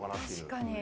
確かに。